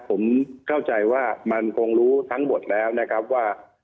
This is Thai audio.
ผมเข้าใจว่ามันคงรู้ทั้งหมดแล้วนะครับว่า